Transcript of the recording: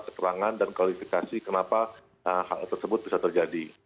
keterangan dan klarifikasi kenapa hal tersebut bisa terjadi